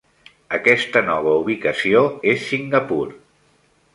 Aquesta nova ubicació és Singapur.